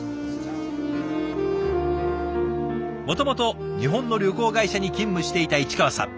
もともと日本の旅行会社に勤務していた市川さん。